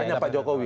hanya pak jokowi